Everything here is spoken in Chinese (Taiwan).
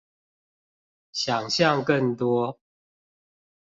想像更多